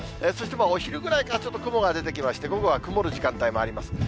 そしてお昼ぐらいからちょっと雲が出てきまして、午後は曇る時間帯もあります。